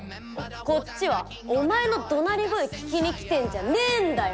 こっちはお前の怒鳴り声聞きに来てんじゃねえんだよ。